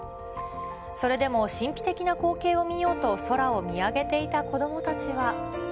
それでも神秘的な光景を見ようと、空を見上げていた子どもたちは。